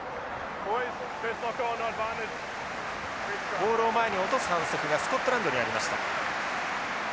ボールを前に落とす反則がスコットランドにありました。